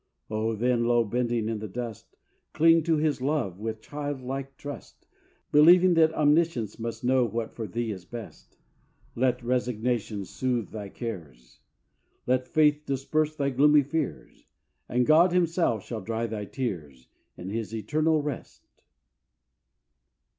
O! then, low bending in the dust, Cling to His LOVE, with child like trust, Believing that Omniscience must Know what for thee is best; Let resignation soothe thy cares; Let faith disperse thy gloomy fears; And God Himself shall dry thy tears In His eternal rest.